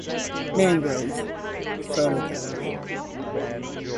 Mangroves: photo gallery.